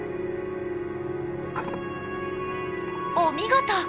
お見事！